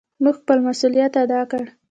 مونږ خپل مسؤليت ادا کړ.